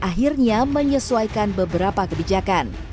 akhirnya menyesuaikan beberapa kebijakan